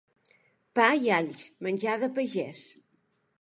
Pa i alls, menjar de pagès.